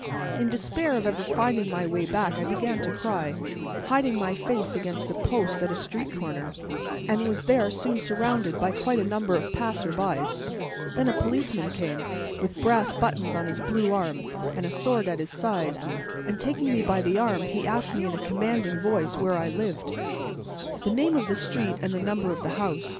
In despair of ever finding my way back I began to cry, hiding my face against a post at a street corner, and was there soon surrounded by quite a number of passers by; then a policeman came up, with brass buttons on his blue coat and a sword at his side, and taking me by the arm he asked me in a commanding voice where I lived the name of the street and the number of the house.